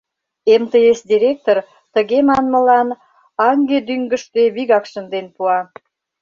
МТС директор тыге манмылан аҥге-дӱҥгыштӧ вигак шынден пуа: